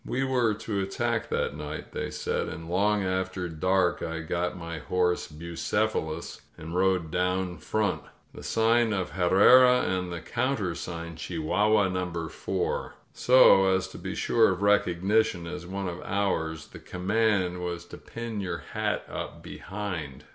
••• We were to attack that night, they said, and long after dark I got on my horse, Bucephalus, and rode down front. The sign was Herrera" and the counter sign "Chihuahua number four." So as to be sure of recognition as one of "ours," the command was to pin your hat up behind.